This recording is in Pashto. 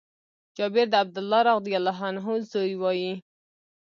جابر د عبدالله رضي الله عنه زوی وايي :